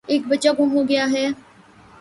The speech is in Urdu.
ایک بچہ گُم ہو گیا ہے۔